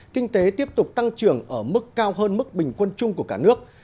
kinh tế tiếp tục tăng trưởng ở mức cao hơn mức bình quân chung của cả nước